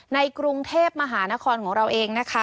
ในกรุงเทพมหานครของเราเองนะคะ